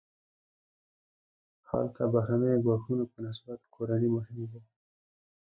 هلته بهرنیو ګواښونو په نسبت کورني مهم وو.